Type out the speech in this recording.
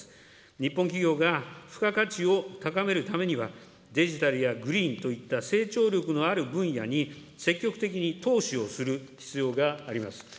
日本企業が付加価値を高めるためには、デジタルやグリーンといった成長力のある分野に積極的に投資をする必要があります。